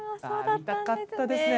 見たかったですね。